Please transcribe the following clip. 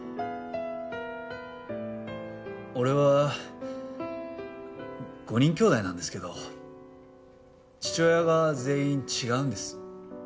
俺は５人兄弟なんですけど父親が全員違うんです。